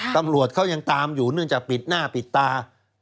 ตำรวจเขายังตามอยู่เนื่องจากปิดหน้าปิดตา